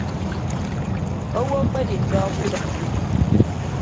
Owo akpedi ndọ kudịp.